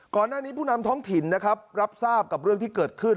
ก่อนหน้านี้ผู้นำท้องถิ่นนะครับรับทราบกับเรื่องที่เกิดขึ้น